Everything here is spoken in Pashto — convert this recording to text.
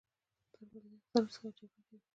ترموز له یخ سره جګړه کوي.